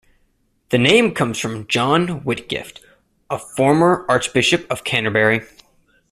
The name comes from John Whitgift, a former Archbishop of Canterbury.